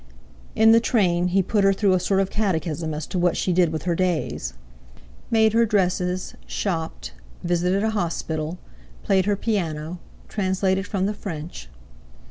In the train he put her through a sort of catechism as to what she did with her days. Made her dresses, shopped, visited a hospital, played her piano, translated from the French.